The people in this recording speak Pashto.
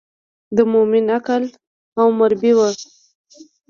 د مومن عقل او مربي و.